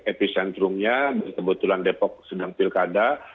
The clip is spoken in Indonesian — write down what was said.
di bodebek epicentrumnya kebetulan depok sedang pilkada